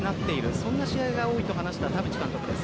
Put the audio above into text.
そんな試合が多いと話した田渕監督です。